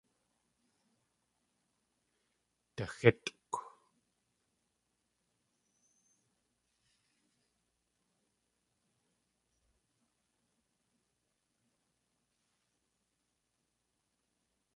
Daxítʼkw.